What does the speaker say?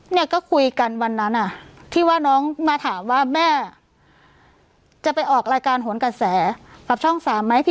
เนี่ยก็คุยกันวันนั้นอ่ะที่ว่าน้องมาถามว่าแม่จะไปออกรายการโหนกระแสกับช่อง๓ไหม